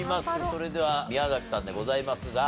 それでは宮崎さんでございますが。